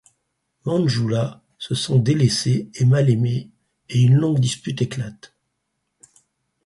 Manjula se sent délaissée et malaimée, et une longue dispute éclate.